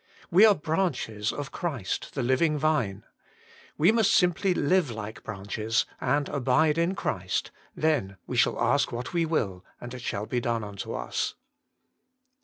We are branches of Christ, the Living Vine. We must simply live like branches, and abide in Christ, then we shall ask what we will, and it shall be done unto us.